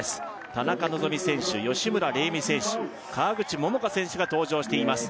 田中希実選手吉村玲美選手川口桃佳選手が登場しています